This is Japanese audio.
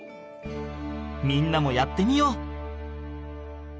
みんなもやってみよう！